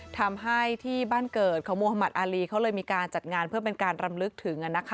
ทำให้ที่บ้านเกิดของโมฮามัติอารีเขาเลยมีการจัดงานเพื่อเป็นการรำลึกถึง